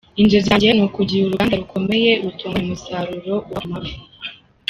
Inzozi zanjye ni ukugira uruganda rukomeye rutunganya umusaruro uva ku mafi.